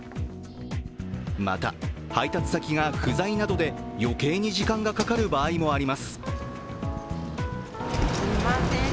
また、配達先が不在などで余計に時間がかかる場合もあります。